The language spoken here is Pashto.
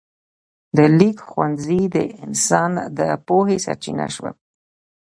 د لیک ښوونځي د انسان د پوهې سرچینه شول.